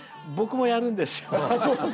僕もやるんですよ。